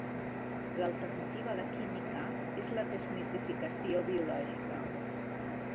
L'alternativa a la química és la desnitrificació biològica.